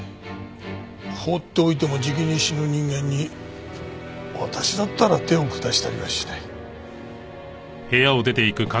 放っておいてもじきに死ぬ人間に私だったら手を下したりはしない。